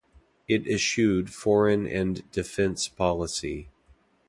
It eschewed foreign and defense policy.